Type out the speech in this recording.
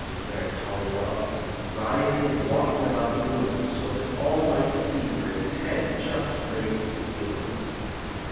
declared Tollydob, rising and walking about the room, so that all might see where his head just grazed the ceiling.